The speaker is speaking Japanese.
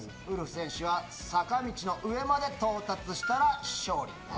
ウルフ選手は坂道の上まで到達したら勝利。